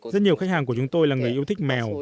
rất nhiều khách hàng của chúng tôi là người yêu thích mèo